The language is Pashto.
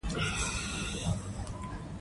کاربن ډای اکساید د حجروي تنفس له کبله تولیدیږي.